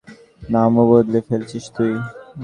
নামও বদলে ফেলেছিস তুই?